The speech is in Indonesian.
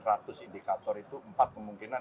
seratus indikator itu empat kemungkinan